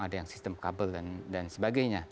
ada yang sistem kabel dan sebagainya